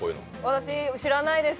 私、知らないです